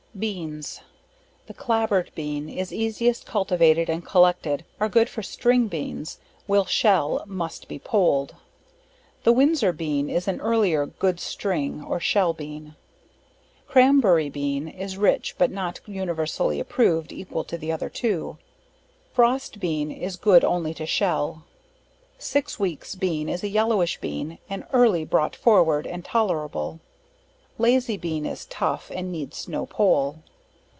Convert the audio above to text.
BEANS. The Clabboard Bean, is easiest cultivated and collected, are good for string beans, will shell must be poled. The Windsor Bean, is an earlier, good string, or shell Bean. Crambury Bean, is rich, but not universally approved equal to the other two. Frost Bean, is good only to shell. Six Weeks Bean, is a yellowish Bean, and early bro't forward, and tolerable. Lazy Bean, is tough, and needs no pole.